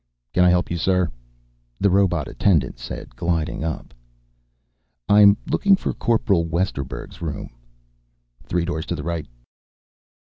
"Can I help you, sir?" the robot attendant said, gliding up. "I'm looking for Corporal Westerburg's room." "Three doors to the right."